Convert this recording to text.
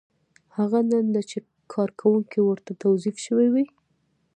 هغه دنده چې کارکوونکی ورته توظیف شوی وي.